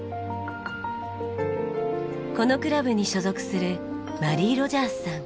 このクラブに所属するマリー・ロジャースさん。